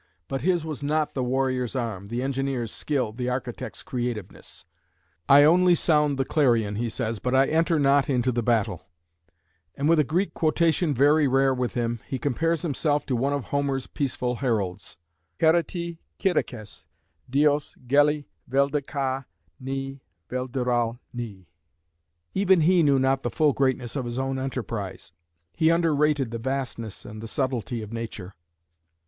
But his was not the warrior's arm, the engineer's skill, the architect's creativeness. "I only sound the clarion," he says, "but I enter not into the battle;" and with a Greek quotation very rare with him, he compares himself to one of Homer's peaceful heralds, [Greek: chairete kêrukes, Dios angeloi êde kai andrôn]. Even he knew not the full greatness of his own enterprise. He underrated the vastness and the subtlety of nature.